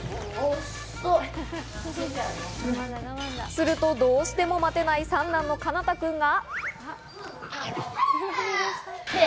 すると、どうしても待てない三男の奏くんが。